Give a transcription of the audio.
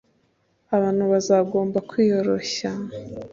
Abantu bazagomba kwiyoroshya,